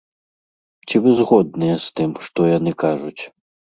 Ці вы згодныя з тым, што яны кажуць?